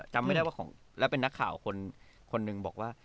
จำไม่ได้ว่าของแล้วเป็นนักข่าวคนหนึ่งบอกว่า